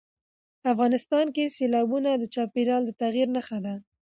افغانستان کې سیلابونه د چاپېریال د تغیر نښه ده.